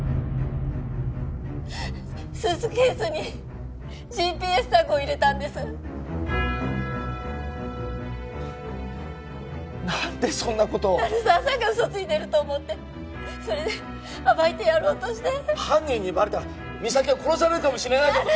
スーツケースにＧＰＳタグを入れたんです何でそんなことを鳴沢さんが嘘ついてると思ってそれで暴いてやろうとして犯人にバレたら実咲は殺されるかもしれないんだぞ